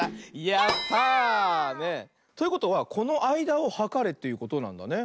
やった！ということはこのあいだをはかれということなんだね。